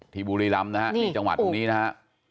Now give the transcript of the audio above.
บุรีรำนะฮะนี่จังหวัดตรงนี้นะฮะ